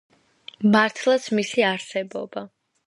მართლაც მისი არსებობა.